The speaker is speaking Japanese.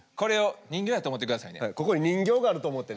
ここに人形があると思ってね。